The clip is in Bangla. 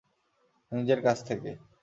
নিজের কাছ থেকে!